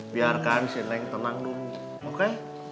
biarkan si neng tenang dulu oke